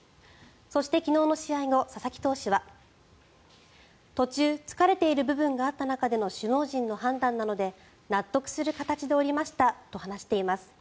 そして昨日の試合後佐々木投手は途中、疲れている部分があった中での首脳陣の判断なので納得する形で降りましたと話しています。